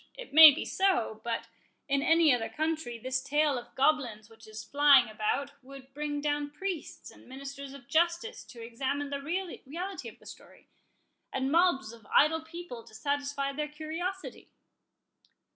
It may be so; but, in any other country, this tale of goblins which is flying about would bring down priests and ministers of justice to examine the reality of the story, and mobs of idle people to satisfy their curiosity."